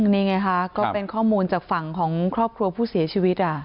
นี่ไงคะก็เป็นข้อมูลจากฝั่งของครอบครัวผู้เสียชีวิต